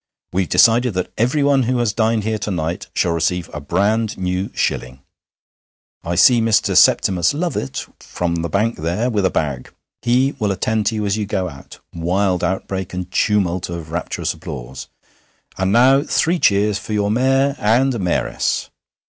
'We've decided that everyone who has dined here to night shall receive a brand new shilling. I see Mr. Septimus Lovatt from the bank there with a bag. He will attend to you as you go out. (Wild outbreak and tumult of rapturous applause.) And now three cheers for your Mayor and Mayoress!'